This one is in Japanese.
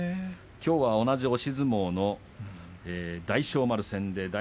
きょうは同じ押し相撲の大翔丸戦です。